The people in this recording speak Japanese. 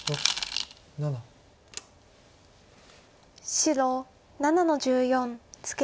白７の十四ツケ。